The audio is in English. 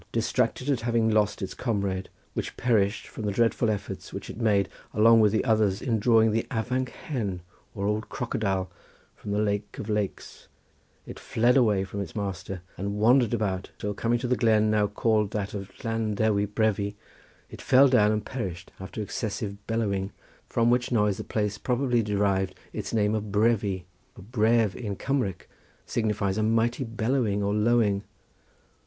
Distracted at having lost its comrade, which perished from the dreadful efforts which it made along with the others in drawing the avanc hen or old crocodile from the lake of lakes, it fled away from its master, and wandered about till coming to the glen now called that of Llan Ddewi Brefi it fell down and perished after excessive bellowing, from which noise the place probably derived its name of Brefi, for Bref in Cumric signifies a mighty bellowing or lowing.